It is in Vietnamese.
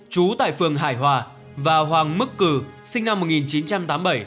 trú tại phường hải hòa và hoàng mức cử sinh năm một nghìn chín trăm tám mươi bảy